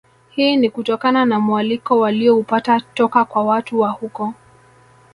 Hii ni kutokana na mualiko walioupata toka kwa watu wa huko